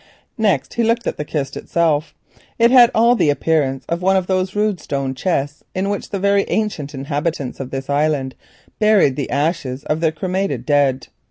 Next he looked at the kist itself. It had all the appearance of one of those rude stone chests in which the very ancient inhabitants of this island buried the ashes of their cremated dead.